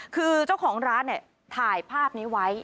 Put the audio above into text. คือเจ้าของร้านเนี่ยถ่ายภาพนี้ไว้